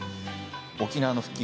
沖縄の復帰